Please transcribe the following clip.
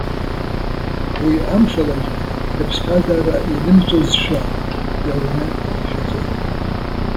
Уи амшалагьы, рыԥсҭазаара инымҵәозшәа иауны ирыԥхьаӡоит.